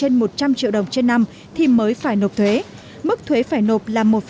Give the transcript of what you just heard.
facebook có sanh thu trên một trăm linh triệu đồng trên năm thì mới phải nộp thuế mức thuế phải nộp là